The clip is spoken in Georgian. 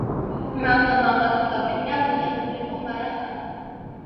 მაღლა მაღლა რომ დაფრინავ ნიავ ვიყო მარა ხარ